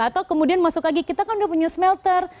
atau kemudian masuk lagi kita kan udah punya smelter